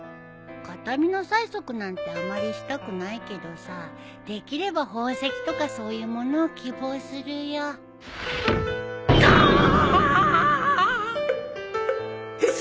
形見の催促なんてあまりしたくないけどさできれば宝石とかそういう物を希望するよ。ガーン！